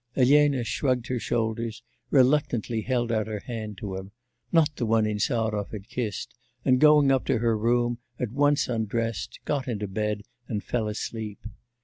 Elena shrugged her shoulders, reluctantly held out her hand to him not the one Insarov had kissed and going up to her room, at once undressed, got into bed, and fell asleep.